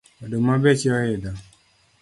Oduma beche oidho